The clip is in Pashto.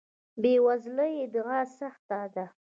بې وزلۍ ادعا سخت ده.